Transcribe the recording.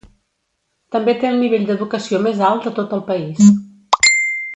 També té el nivell d'educació més alt de tot el país.